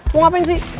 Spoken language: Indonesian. mau ngapain sih